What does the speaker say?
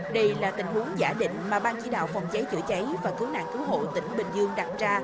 đây là tình huống giả định mà ban chỉ đạo phòng cháy chữa cháy và cứu nạn cứu hộ tỉnh bình dương đặt ra